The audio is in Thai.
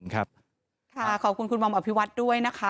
ขอบคุณคุณบอมอภิวัฒน์ด้วยนะคะ